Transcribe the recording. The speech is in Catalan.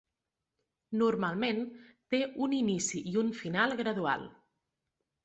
Normalment té un inici i un final gradual.